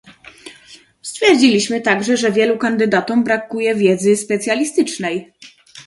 Stwierdziliśmy także, że wielu kandydatom brakuje wiedzy specjalistycznej